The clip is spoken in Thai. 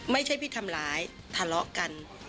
ไม่ใช่พิธรรมรายทะเลาะกัน